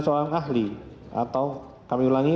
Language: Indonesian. seorang ahli atau kami ulangi